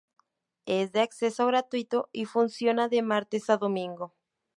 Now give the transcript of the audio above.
Es de acceso gratuito y funciona de martes a domingo.